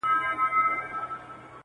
o په يوه گل نه پسرلى کېږي.